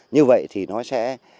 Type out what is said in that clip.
như vậy thì nó sẽ